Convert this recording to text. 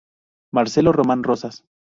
Marcelo Román Rosas.